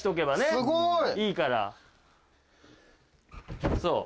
すごい！いいから。